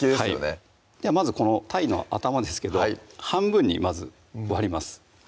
はいまずこのたいの頭ですけど半分にまず割ります